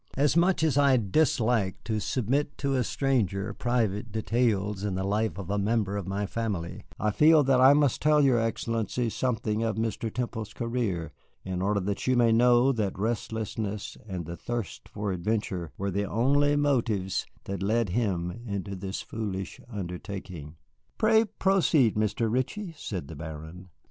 As much as I dislike to submit to a stranger private details in the life of a member of my family, I feel that I must tell your Excellency something of Mr. Temple's career, in order that you may know that restlessness and the thirst for adventure were the only motives that led him into this foolish undertaking." "Pray proceed, Mr. Ritchie," said the Baron.